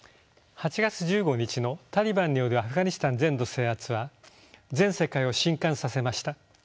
８月１５日のタリバンによるアフガニスタン全土制圧は全世界を震撼させました。